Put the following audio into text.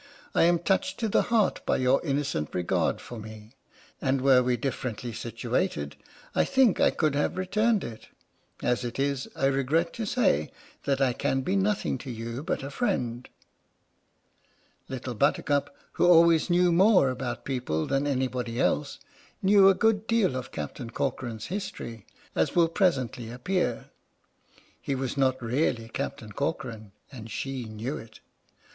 I am touched to the heart by your innocent regard for me, and were we differ ently situated, I think I could have returned it. As it is, I regret to say that I can be nothing to you but a friend." Little Buttercup, who always knew more about people than anybody else, knew a good deal 01 Captain Corcoran's history, as will presently appear. He was not really Captain Corcoran, and she knew it.